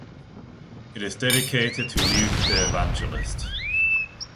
It is dedicated to Luke the Evangelist.